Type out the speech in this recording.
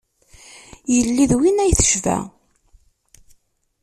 Yelli d win ay tecba.